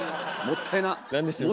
もったいな！